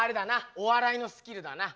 お笑いのスキルだな。